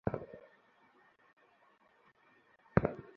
কোনো রকম দরপত্র ছাড়াই ইয়াঙ্গুনের আঞ্চলিক সরকার অখ্যাত কোম্পানিটিকে কাজ দেয়।